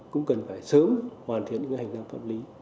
cũng cần phải sớm hoàn thiện những hành lang pháp lý